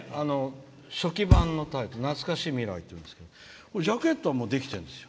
初期版の「なつかしい未来」っていうんですけどジャケットはできてるんですよ。